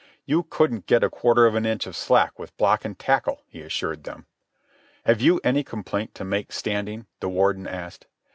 "You couldn't get a quarter of an inch of slack with block and tackle," he assured them. "Have you any complaint to make, Standing?" the Warden asked.